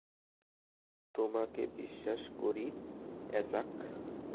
তোমাকে বিশ্বাস করি, অ্যাজাক।